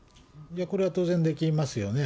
これは当然できますよね。